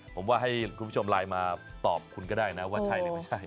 ผมว่าให้คุณผู้ชมไลน์มาตอบคุณก็ได้นะว่าใช่หรือไม่ใช่